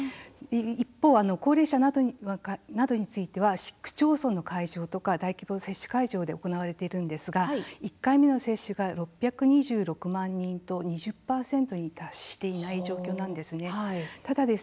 一方、高齢者などについては市区町村の会場や大規模接種会場で行われているんですが１回目の接種が６２６万人と２０％に達していない状況なんです。